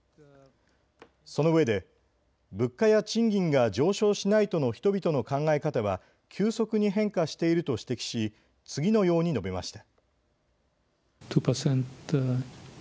そのうえで物価や賃金が上昇しないとの人々の考え方は急速に変化していると指摘し次のように述べました。